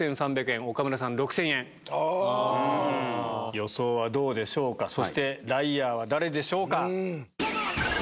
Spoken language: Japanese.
予想はどうでしょうかそしてライアーは誰でしょうか。